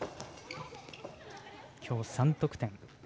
きょう、３得点。